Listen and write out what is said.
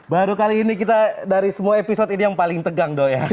baru kali ini kita dari semua episode ini yang paling tegang dong ya